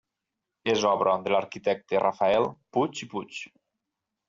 És obra de l'arquitecte Rafael Puig i Puig.